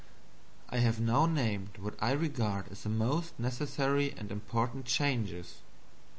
I have now named what I regard as the most necessary and important changes.